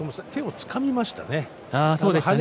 つかみましたね。